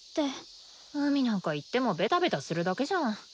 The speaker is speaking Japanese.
海なんか行ってもベタベタするだけじゃん。